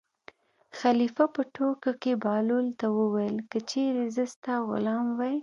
خلیفه په ټوکو کې بهلول ته وویل: که چېرې زه ستا غلام وای.